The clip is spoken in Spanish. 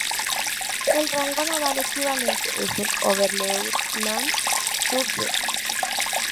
El rango naval equivalente es el "Oberleutnant zur See".